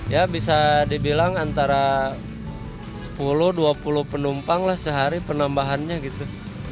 ya bisa dibilang antara sepuluh dua puluh penumpang lah sehari penambahannya gitu